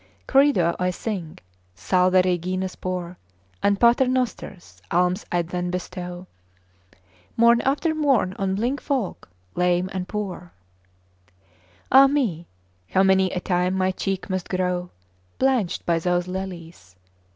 Credo I'd sing, Salve reginas pour And Paternosters; alms I'd then bestow Morn after morn on blind folk, lame, and poor. Ah me! how many a time my cheek must grow Blanched by those lilies!